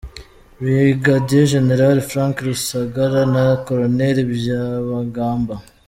Brig Gen Frank Rusagara na Col. Byabagamba